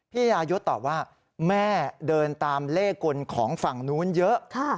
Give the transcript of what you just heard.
ยายศตอบว่าแม่เดินตามเลขกลของฝั่งนู้นเยอะ